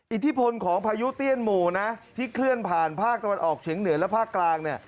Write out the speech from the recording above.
อิทธิพลของพายุเตี้ยนหมู่นะที่เคลื่อนผ่านภาคตะวันออกเฉียงเหนือและภาคกลางเนี่ย